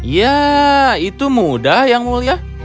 ya itu mudah yang mulia